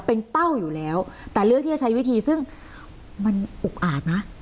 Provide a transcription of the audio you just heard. เป็นเป้าอยู่แล้วแต่เลือกที่จะใช้วิธีซึ่งมันอุกอาจนะ